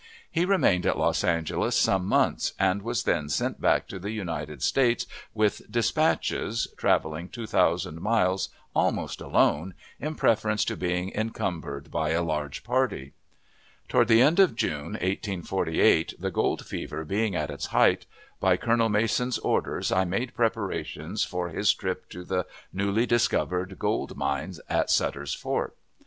He remained at Los Angeles some months, and was then sent back to the United Staten with dispatches, traveling two thousand miles almost alone, in preference to being encumbered by a large party. Toward the close of June, 1848, the gold fever being at its height, by Colonel Mason's orders I made preparations for his trip to the newly discovered gold mines at Sutter's Fort.